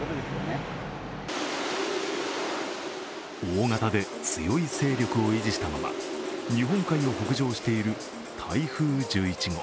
大型で強い勢力を維持したまま日本海を北上している台風１１号。